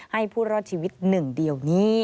ให้ผู้รอดชีวิตหนึ่งเดียวนี้